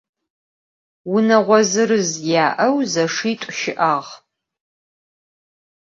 Vuneğo zırız ya'eu zeşşit'u şı'ağ.